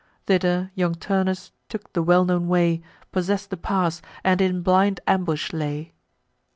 Thither young Turnus took the well known way, Possess'd the pass, and in blind ambush lay.